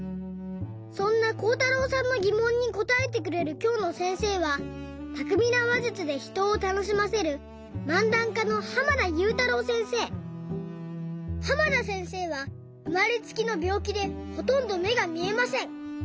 そんなこうたろうさんのぎもんにこたえてくれるきょうのせんせいはたくみなわじゅつでひとをたのしませる濱田せんせいはうまれつきのびょうきでほとんどめがみえません。